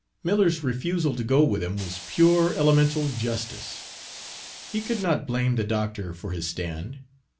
Miller's refusal to go with him was pure, elemental justice; he could not blame the doctor for his stand.